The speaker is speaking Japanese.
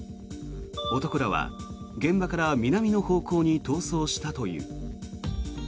男らは現場から南の方向に逃走したという。